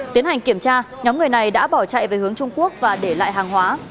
tiến hành kiểm tra nhóm người này đã bỏ chạy về hướng trung quốc và để lại hàng hóa